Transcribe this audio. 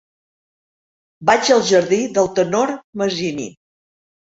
Vaig al jardí del Tenor Masini.